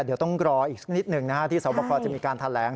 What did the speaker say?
เดี๋ยวต้องรออีกนิดหนึ่งนะครับที่สวพควรจะมีการแทนแหลง